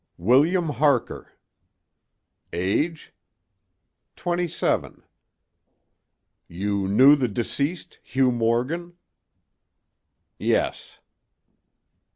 "William Harker." "Age?" "Twenty seven." "You knew the deceased, Hugh Morgan?" "Yes."